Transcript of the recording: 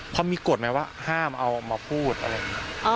เขามีกฎไหมว่าห้ามเอามาพูดอะไรอย่างนี้